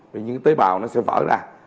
vì những tế bào nó sẽ vỡ ra